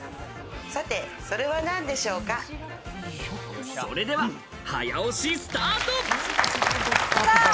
さて、それは何それでは早押しスタート。